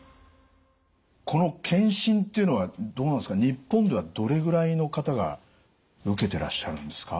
この検診っていうのはどうなんですか日本ではどれぐらいの方が受けてらっしゃるんですか？